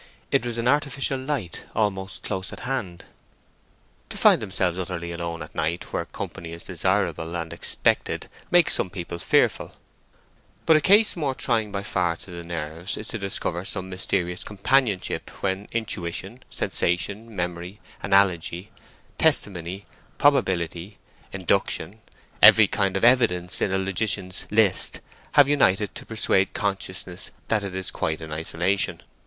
It was an artificial light, almost close at hand. To find themselves utterly alone at night where company is desirable and expected makes some people fearful; but a case more trying by far to the nerves is to discover some mysterious companionship when intuition, sensation, memory, analogy, testimony, probability, induction—every kind of evidence in the logician's list—have united to persuade consciousness that it is quite in isolation.